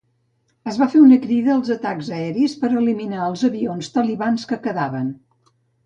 Es va fer una crida als atacs aeris per eliminar els avions talibans que quedaven.